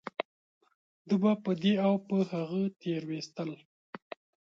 ده به په دې او په هغه تېرويستل .